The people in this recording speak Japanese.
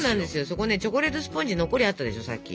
そこねチョコレートスポンジ残りあったでしょさっき。